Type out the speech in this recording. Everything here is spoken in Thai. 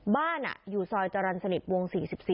บ้านอยู่ซอยจรรย์สนิทวง๔๔